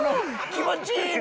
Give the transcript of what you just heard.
「気持ちいい！」